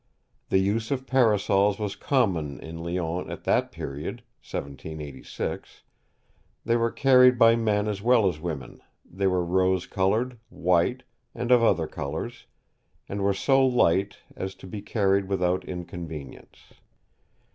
The use of parasols was common in Lyons at that period (1786); they were carried by men as well as women; they were rose coloured, white, and of other colours, and were so light as to be carried without inconvenience."